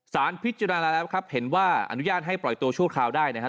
สารพิจารณาแล้วครับเห็นว่าอนุญาตให้ปล่อยตัวชั่วคราวได้นะครับ